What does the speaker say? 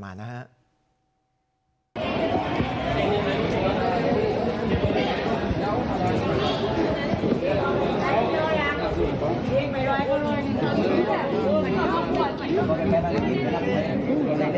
ใช่ค่ะครับ